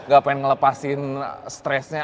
gak pengen ngelepasin stressnya